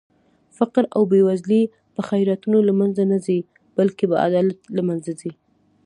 فقر او بې وزلي په خيراتونو لمنخه نه ځي بلکې په عدالت لمنځه ځي